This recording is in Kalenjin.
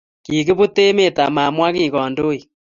Kikiput emet amamwaki kandoik.